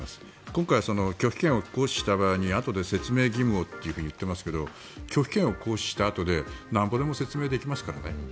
今回、拒否権を行使した場合にあとで説明義務をと言っていますが拒否権を行使したあとでなんぼでも説明できますからね。